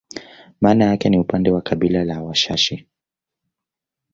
Maana yake ni upande wa kabila la Washashi